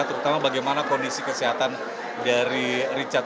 terutama bagaimana kondisi kesehatan dari richard